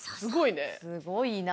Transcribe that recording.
すごいな。